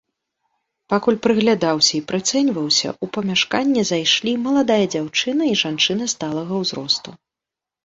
Пакуль прыглядаўся і прыцэньваўся, у памяшканне зайшлі маладая дзяўчына і жанчына сталага ўзросту.